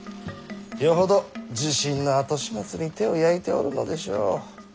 よほど地震の後始末に手を焼いておるのでしょう。